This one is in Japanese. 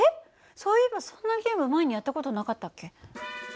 そういえばそんなゲーム前にやった事なかったっけ？